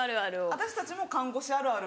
私たちも看護師あるある。